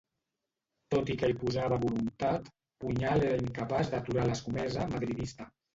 Tot i que hi posava voluntat, Puñal era incapaç d'aturar l'escomesa madridista.